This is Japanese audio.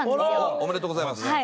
ありがとうございます。